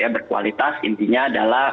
berkualitas intinya adalah